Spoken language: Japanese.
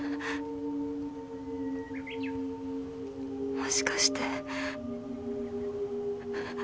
もしかして。